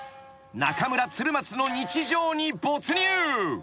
［中村鶴松の日常に没入］